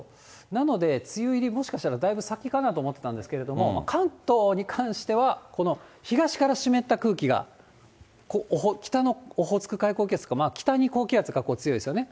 なので、梅雨入り、もしかしたらだいぶ先かなと思ってたんですけども、関東に関しては、この東から湿った空気が北のオホーツク高気圧が北に強いですよね。